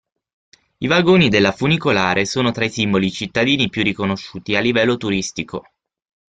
I vagoni della funicolare sono tra i simboli cittadini più riconosciuti a livello turistico.